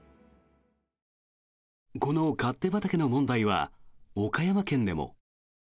この勝手畑の問題は岡山県でも。